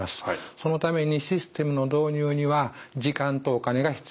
そのためにシステムの導入には時間とお金が必要となります。